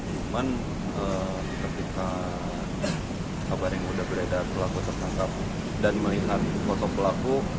cuman ketika kabar yang sudah beredar pelaku tertangkap dan melihat foto pelaku